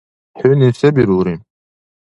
ХӀуни се бирулри?